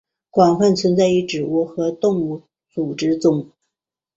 广泛存在于植物和动物组织中。